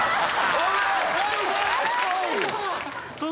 おい！